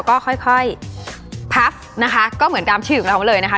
ก็ค่อยพักนะคะก็เหมือนตามชื่อของเราเลยนะคะ